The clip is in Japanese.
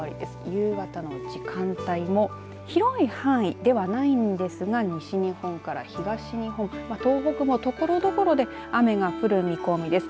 夕方の時間帯も広い範囲ではないんですが西日本から東日本東北も、ところどころで雨が降る見込みです。